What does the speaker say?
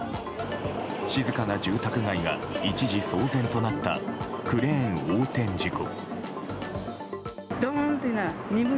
静かな住宅街が、一時騒然となったクレーン横転事故。